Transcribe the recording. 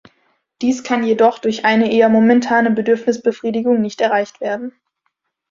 Dies kann jedoch durch eine eher momentane Bedürfnisbefriedigung nicht erreicht werden.